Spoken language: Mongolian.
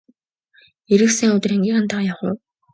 Ирэх сайн өдөр ангийнхантайгаа явах уу!